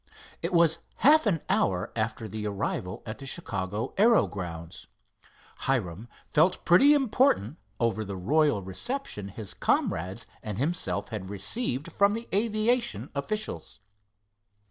It was half an hour after the arrival at the Chicago aero grounds. Hiram felt pretty important over the royal reception his comrades and himself had received from the aviation officials.